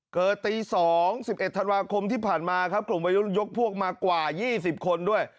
เกิดตี๒๑๑ธันวาคมที่ผ่านมาครับกลุ่มวัยรุ่นยกพวกมากว่า๒๐คนด้วย